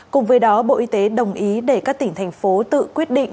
cùng với đó bộ y tế đồng ý để các tỉnh thành phố tự quyết định